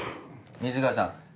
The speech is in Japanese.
水川さん